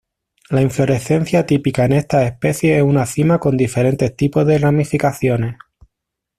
La inflorescencia típica en estas especies es una cima con diferentes tipos de ramificaciones.